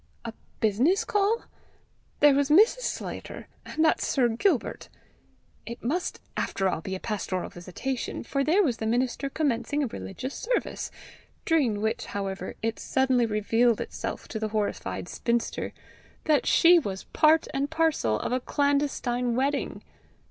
A business call? There was Mrs. Sclater! and that Sir Gilbert! It must after all be a pastoral visitation, for there was the minister commencing a religious service! during which however it suddenly revealed itself to the horrified spinster that she was part and parcel of a clandestine wedding!